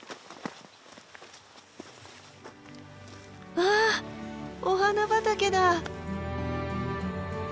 わあお花畑だ！